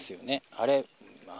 あれ？